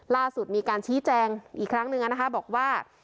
ล่าสุดมีการชี้แจงอีกครั้งหนึ่งนะคะบอกว่า